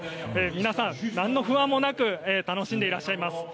皆さん、何の不安もなく楽しんでいらっしゃいます。